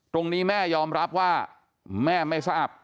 ตรงนี้แม่ยอมรับว่าแม่ไม่ทราบ